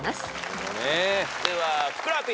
ではふくらＰ。